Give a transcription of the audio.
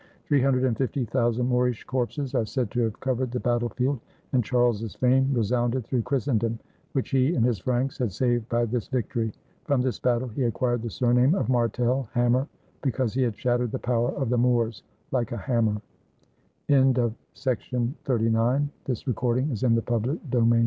Three hundred and fifty thousand Moorish corpses are said to have covered the battle field; and Charles's fame resounded through Christendom, which he and his Franks had saved by this victory. From this battle he acquired the surname of "Martel" (hammer), because he had shattered the power of the Moors like a hammer. THE LAMENT OF CH